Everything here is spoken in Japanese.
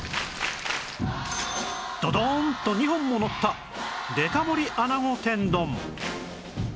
ドドーンと２本ものったデカ盛り穴子天丼